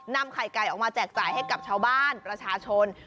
ไข่ไก่ออกมาแจกจ่ายให้กับชาวบ้านประชาชน